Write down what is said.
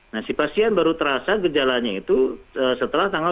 nah si pasien baru terasa gejalanya itu setelah tanggal dua puluh satu